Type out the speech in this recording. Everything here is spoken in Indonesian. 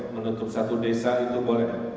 menutup satu desa itu boleh